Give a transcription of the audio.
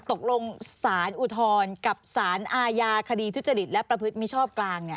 ตกลงสารอุทธรณ์กับสารอาญาคดีทุจริตและประพฤติมิชอบกลาง